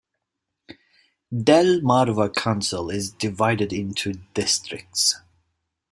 Del-Mar-Va Council is divided into districts.